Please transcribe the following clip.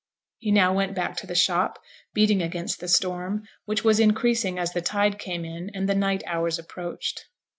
He now went back to the shop, beating against the storm, which was increasing as the tide came in and the night hours approached.